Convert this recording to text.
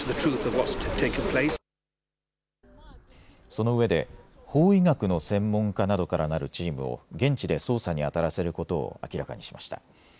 そのうえで法医学の専門家などからなるチームを現地で捜査にあたらせることを明らかにしました。